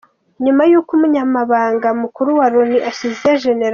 Nyuma y’uko Umunyamabanga Mukuru wa Loni ashyize Gen.